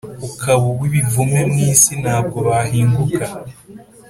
ukaba uw ibivume mu isi Ntabwo bahinguka